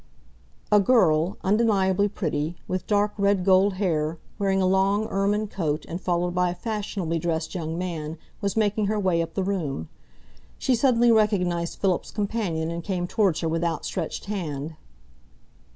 A girl, undeniably pretty, with dark, red gold hair, wearing a long ermine coat and followed by a fashionably dressed young man, was making her way up the room. She suddenly recognised Philip's companion and came towards her with outstretched hand.